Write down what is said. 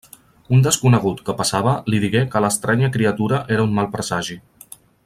Un desconegut que passava li digué que l'estranya criatura era un mal presagi.